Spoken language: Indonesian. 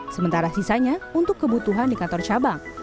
sementara sisanya untuk kebutuhan di kantor cabang